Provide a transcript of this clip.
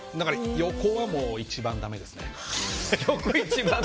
横は一番だめですね。